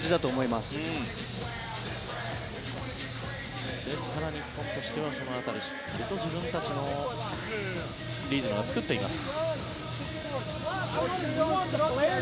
ですから、日本としてはその辺りしっかりと自分たちのリズムを作っています。